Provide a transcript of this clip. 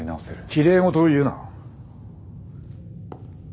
きれい事を言うな。